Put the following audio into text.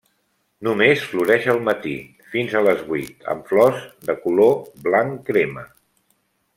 Només floreix al matí, fins a les vuit, amb flors de color blanc crema.